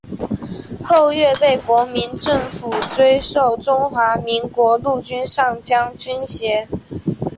后岳被国民政府追授中华民国陆军上将军衔。